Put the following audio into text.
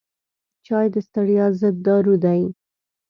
چای د ستړیا ضد دارو دی.